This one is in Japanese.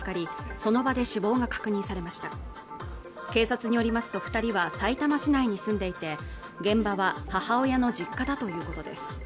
その場で死亡が確認されました警察によりますと二人はさいたま市内に住んでいて現場は母親の実家だということです